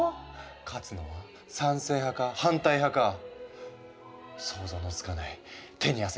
勝つのは賛成派か反対派か想像のつかない手に汗握る展開。